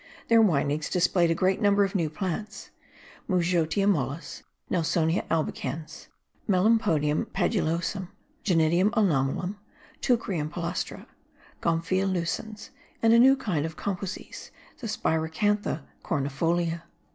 Their windings displayed a great number of new plants: Mougeotia mollis, Nelsonia albicans, Melampodium paludosum, Jonidium anomalum, Teucrium palustre, Gomphia lucens, and a new kind of Composees, the Spiracantha cornifolia.